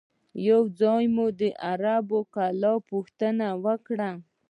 یو ځای مو د عرب کلا پوښتنه وکړه.